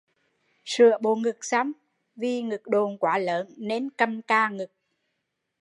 Sửa bộ ngực xong, vi ngực độn quá lớn, nên cằm cà ngực